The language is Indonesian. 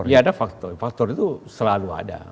ya ada faktor faktor itu selalu ada